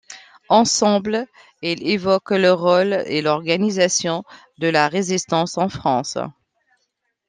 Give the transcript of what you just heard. Ensemble, ils évoquent le rôle et l'organisation de la résistance en France.